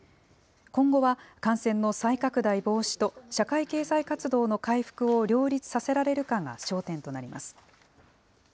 今後は感染の再拡大防止と社会経済活動の回復を両立させられるかが焦点となります。